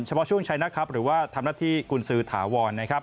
เฉพาะช่วงไชน่ะครับหรือว่าทำรัฐีกุญสือถาวร